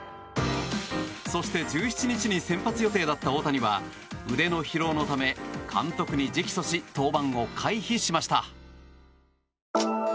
そして、１７日に先発予定だった大谷は腕の疲労のため監督に直訴し登板を回避しました。